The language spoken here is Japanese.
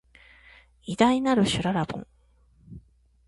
偉大なる、しゅららぼん